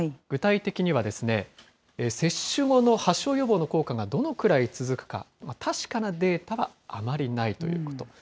具体的には、接種後の発症予防の効果がどのくらい続くか、確かなデータはあまりないということ。